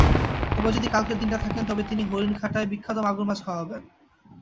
তবে যদি কালকের দিনটা থাকেন, তবে তিনি হরিণঘাটার বিখ্যাত মাগুর মাছ খাওয়াবেন।